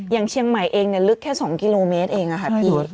อย่างเชียงใหม่เองลึกแค่๒กิโลเมตรเองค่ะพี่